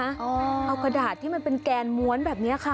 เอากระดาษที่มันเป็นแกนม้วนแบบนี้ค่ะ